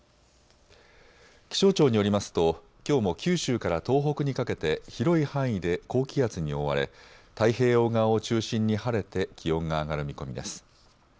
気象庁によりますときょうも九州から東北にかけて広い範囲で高気圧に覆われ太平洋側を中心に晴れて気温が上がる見込みです。